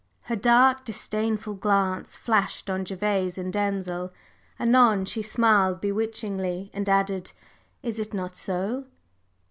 Her dark, disdainful glance flashed on Gervase and Denzil; anon she smiled bewitchingly, and added: "Is it not so?"